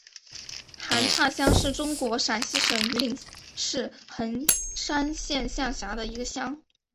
韩岔乡是中国陕西省榆林市横山县下辖的一个乡。